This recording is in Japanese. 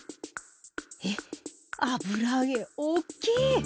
えっ⁉油揚げ大きい！